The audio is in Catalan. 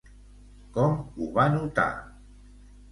Com ho va notar?